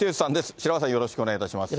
白輪さん、よろしくお願いします。